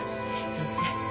先生。